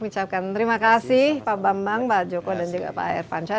terima kasih pak bambang pak joko dan juga pak air panca